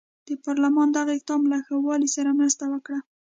د پارلمان دغه اقدام له ښه والي سره مرسته وکړه.